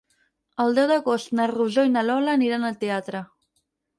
El deu d'agost na Rosó i na Lola aniran al teatre.